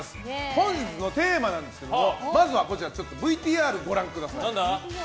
本日のテーマなんですがまずはＶＴＲご覧ください。